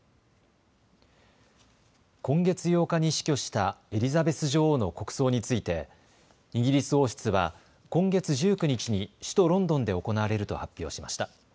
今月８日に死去したエリザベス女王の国葬についてイギリス王室は今月１９日に首都ロンドンで行われると発表しました。